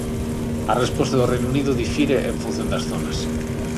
A resposta do Reino Unido difire en función das zonas.